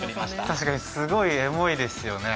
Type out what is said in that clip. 確かにすごいエモいですよね